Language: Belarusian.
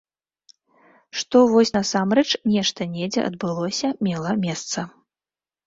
Што, вось, насамрэч нешта недзе адбылося, мела месца.